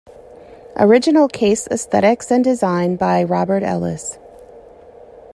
Original case aesthetics and design by Robert Ellis.